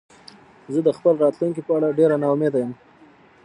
زه د خپل راتلونکې په اړه ډېره نا امیده یم